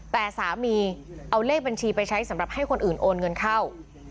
แต่สามีเอาเลขบัญชีไปใช้สำหรับให้คนอื่นโอนเงินเข้า